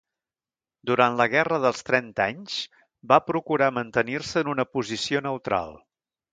Durant la Guerra dels Trenta Anys, va procurar mantenir-se en una posició neutral.